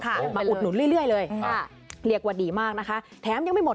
มาอุดหนุนเรื่อยเลยค่ะเรียกว่าดีมากนะคะแถมยังไม่หมด